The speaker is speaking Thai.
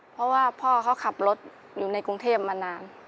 เพราะว่าพ่อเขาขับรถอยู่ในกรุงเทพมานาน